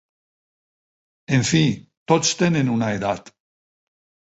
En fi, tots tenen una edat.